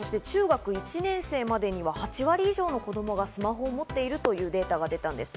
そして中学１年生までには８割以上の子供がスマホを持っているというデータが出たんです。